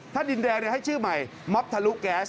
ถ้าดินแดงให้ชื่อใหม่ม็อบทะลุแก๊ส